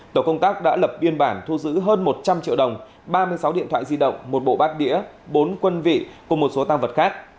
tổ công tác đã lập biên bản thu giữ hơn một trăm linh triệu đồng ba mươi sáu điện thoại di động một bộ bát đĩa bốn quân vị cùng một số tăng vật khác